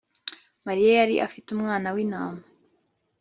mariya yari afite umwana w'intama